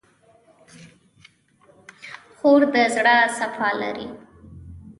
خور د زړه صفا لري.